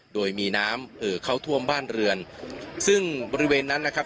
โดยมีน้ำเอ่อเข้าท่วมบ้านเรือนซึ่งบริเวณนั้นนะครับ